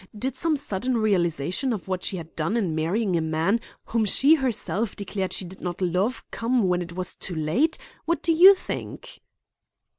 Did some sudden realization of what she had done in marrying a man whom she herself declared she did not love come when it was too late? What do you think?"